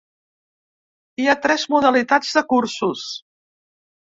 Hi ha tres modalitats de cursos.